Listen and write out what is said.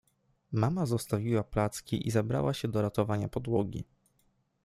Mama zostawiła placki i zabrała się do ratowania podłogi.